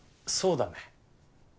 そうだね。